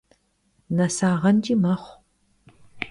НэсагъэнкӀи мэхъу.